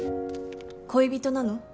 恋人なの？